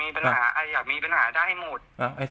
ไม่ได้ยังไงเห็นไว้ดีทำไมไม่คุยได้ดี